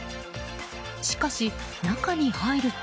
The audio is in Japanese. しかし、中に入ると。